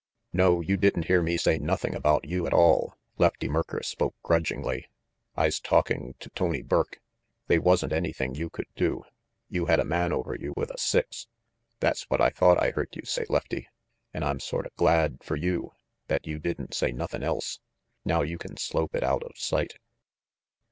"No, you didn't hear me say nothing about you at all," Lefty Merker spoke grudgingly. "Fs talking to Tony Burke. They wasn't anything you could do. You had a man over you with a six ":< That's what I thought I heard you say, Lefty, an' I'm sorta glad fer you that you didn't say no thin' else. Now you can slope it out of sight."